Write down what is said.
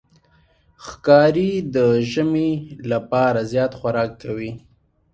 ښکاري د ژمي لپاره زیات خوراک کوي.